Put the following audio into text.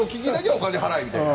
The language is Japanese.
お金を払えみたいな。